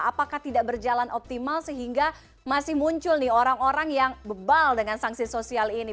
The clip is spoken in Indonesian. apakah tidak berjalan optimal sehingga masih muncul nih orang orang yang bebal dengan sanksi sosial ini